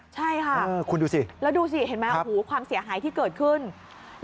ใช่ค่ะแล้วดูสิเห็นไหมครับความเสียหายที่เกิดขึ้นคุณดูสิ